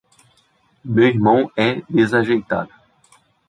Meu irmão é desajeitado!